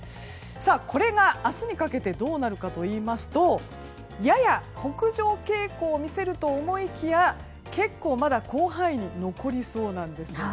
これが明日にかけてどうなるかといいますとやや北上傾向を見せると思いきや結構まだ広範囲に残りそうなんですね。